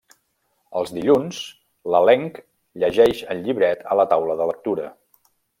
Els dilluns, l'elenc llegeix el llibret a la taula de lectura.